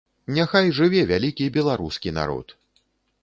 Няхай жыве вялікі беларускі народ!